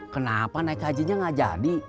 kenapa naik hajinya gak jadi